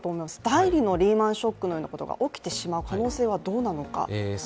第２のリーマン・ショックのようなことが起きてしまうような可能性はどうなのか？